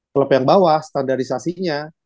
klub yang bawah standarisasi nya